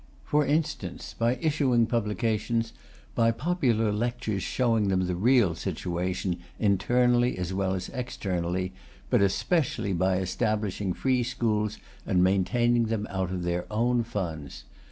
For instance, by issuing publications, by popular lectures showing them the real situation, internally as well as externally; but especially by establishing free schools and maintaining them out of their own funds.